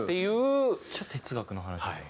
めっちゃ哲学の話やな。